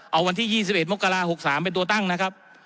เอาวันที่๒๑มกรา๖๓เป็นตัวตั้งนะครับ